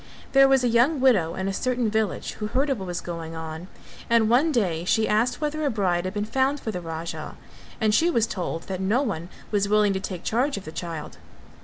There was a young widow in a certain village who heard of what was going on, and one day she asked whether a bride had been found for the Raja and she was told that no one was willing to take charge of the child.